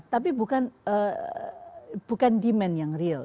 tapi bukan demand yang real